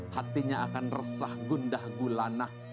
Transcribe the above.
hatinya akan resah gundah gulanah